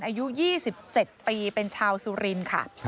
อายุ๒๗ปีเป็นชาวสุรินทร์ค่ะ